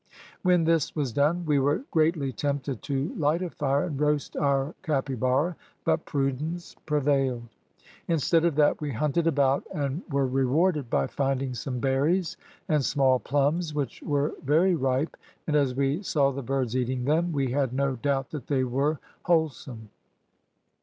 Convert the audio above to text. When this was done, we were greatly tempted to light a fire and roast our capybara, but prudence prevailed. Instead of that we hunted about, and were rewarded by finding some berries and small plums, which were very ripe, and, as we saw the birds eating them, we had no doubt that they were wholesome.